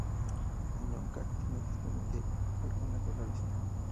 En ningún caso tiene dependencia alguna con la vista.